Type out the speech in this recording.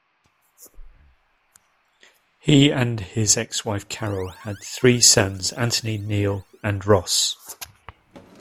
He and his ex-wife Carol had three sons Anthony, Neil, and Ross.